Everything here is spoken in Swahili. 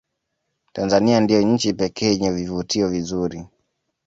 tanzania ndiyo nchi pekee yenye vivutio vinzuri